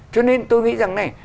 cho nên tôi nghĩ rằng này